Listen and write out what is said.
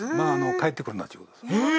帰ってくるなっちゅうことですえ！